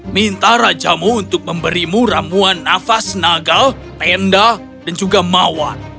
minta rajamu untuk memberimu ramuan nafas naga tenda dan juga mawan